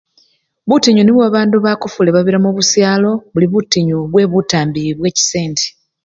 Butinyu nibwo babandu bakofule babiramo khusyalo buli butinyu bwebutambi bye chisende.